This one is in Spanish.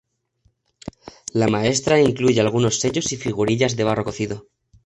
La muestra incluye algunos sellos y figurillas de barro cocido.